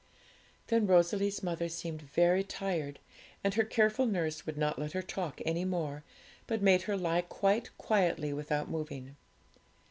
Then Rosalie's mother seemed very tired, and her careful nurse would not let her talk any more, but made her lie quite quietly without moving.